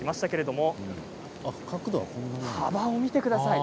幅を見てください。